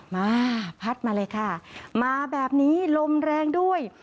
มาพัดมาเลยค่ะมาแบบนี้ลมแรงด้วย